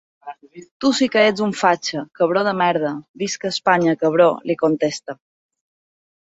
Tu sí que ets un fatxa, cabró de merda, visca Espanya cabró, li contesta.